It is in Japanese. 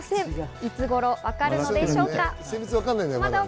いつ頃わかるのでしょうか？